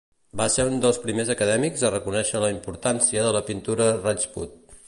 Va ser un dels primers acadèmics a reconèixer la importància de la pintura Rajput.